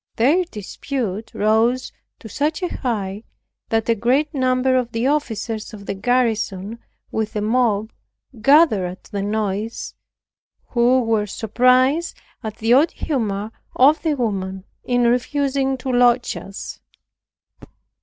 Their dispute rose to such a height, that a great number of the officers of the garrison, with a mob, gathered at the noise, who were surprised at the odd humor of the woman in refusing to lodge us.